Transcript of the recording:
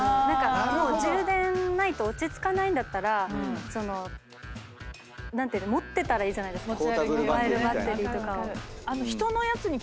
充電ないと落ち着かないんだったら持ってたらいいじゃないですかモバイルバッテリーとかを。